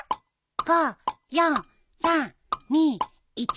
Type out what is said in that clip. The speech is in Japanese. ５４３２１。